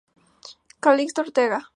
Calixto Ortega